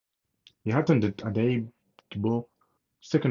He attended Adaigbo Secondary School.